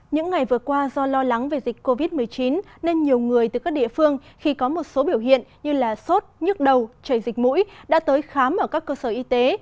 những ngày vừa qua do lo lắng về dịch covid một mươi chín nên nhiều người từ các địa phương khi có một số biểu hiện như sốt nhức đầu chảy dịch mũi đã tới khám ở các cơ sở y tế